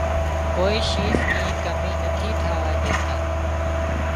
ڪوئي شيز نِي ڪمي نٿي ٿاوا ڄيتان